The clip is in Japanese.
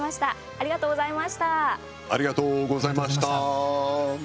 ありがとうありがとうございました。